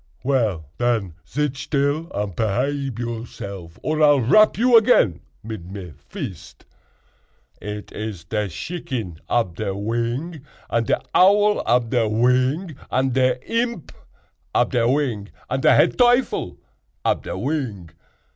"Well, den, zit still and pehabe yourself, or I'll rap you again mid me vist. It iz te shicken ab te wing, und te owl ab te wing, und te imp ab te wing, und te head teuffel ab te wing.